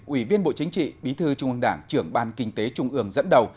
ủy viên bộ chính trị bí thư trung ương đảng trưởng ban kinh tế trung ương dẫn đầu